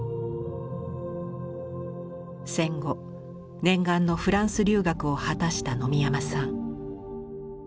戦後念願のフランス留学を果たした野見山さん。